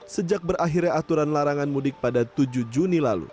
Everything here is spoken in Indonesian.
sejak berakhirnya aturan larangan mudik pada tujuh juni lalu